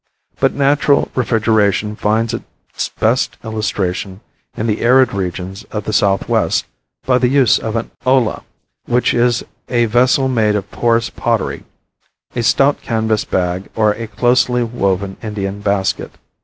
But natural refrigeration find its best illustration in the arid regions of the southwest by the use of an olla, which is a vessel made of porous pottery, a stout canvas bag or a closely woven Indian basket.